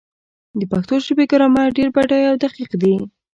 د پښتو ژبې ګرامر ډېر بډایه او دقیق دی.